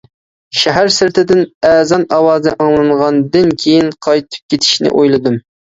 شەھەر سىرتىدىن ئەزان ئاۋازى ئاڭلانغاندىن كېيىن، قايتىپ كېتىشنى ئويلىدىم.